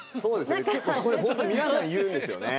結構これホントに皆さん言うんですよね。